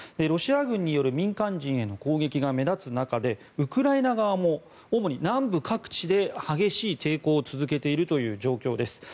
ロシア軍による民間人への攻撃が目立つ中でウクライナ側も主に南部各地で激しい抵抗を続けているという状況です。